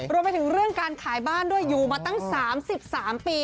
รวมไปถึงเรื่องการขายบ้านด้วยอยู่มาตั้ง๓๓ปี